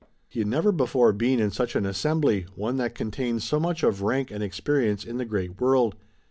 He had never before been in such an assembly, one that contained so much of rank and experience in the great world.